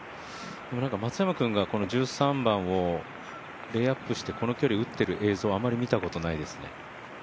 松山君がこの１３番をレイアップしてこの距離打っている映像はあまり見たことないですね。